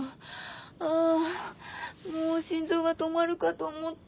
あもう心臓が止まるかと思った。